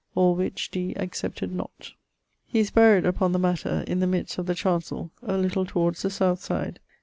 All which Dee accepted not.' He is buried (upon the matter) in the middest of the chancell, a little towards the south side.